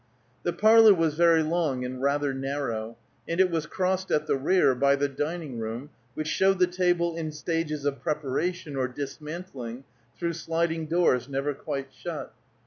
The parlor was very long and rather narrow, and it was crossed at the rear by the dining room which showed the table in stages of preparation or dismantling through sliding doors never quite shut.